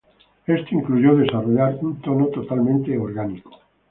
Esto incluyó desarrollar un tono totalmente orgánico.